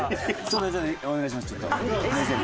それお願いします